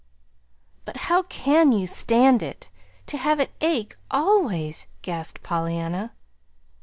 "But how can you stand it to have it ache always?" gasped Pollyanna.